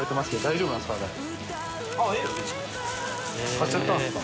貼っちゃったんですか？